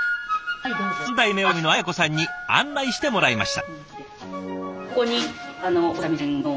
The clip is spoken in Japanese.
３代目女将の綾子さんに案内してもらいました。